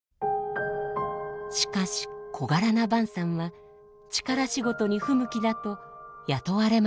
しかし小柄な潘さんは力仕事に不向きだと雇われませんでした。